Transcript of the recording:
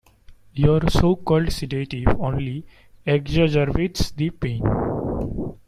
Your so-called sedative only exacerbates the pain.